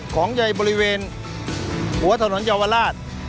ของใยบริเวณหัวถนนเยาวราช